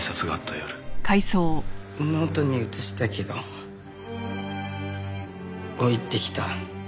ノートに写したけど置いてきた。